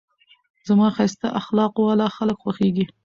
زما ښایسته اخلاقو واله خلک خوښېږي.